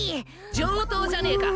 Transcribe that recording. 上等じゃねえか。